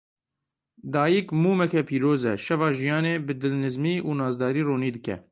Dayîk mûmeke pîroz e, şeva jiyanê bi dilnizmî û nazdarî ronî dike.